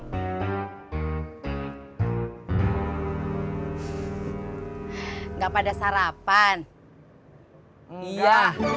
enggak pada sarapan ia